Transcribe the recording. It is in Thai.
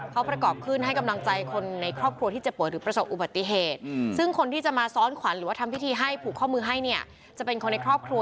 เขาประกอบขึ้นให้กำลังใจคนในครอบครัวที่เจ็บป่วยหรือประสบอุบัติเหตุซึ่งคนที่จะมาซ้อนขวัญหรือว่าทำพิธีให้ผูกข้อมือให้เนี่ยจะเป็นคนในครอบครัว